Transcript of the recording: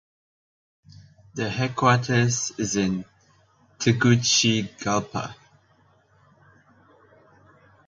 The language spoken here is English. The headquarters is in Tegucigalpa.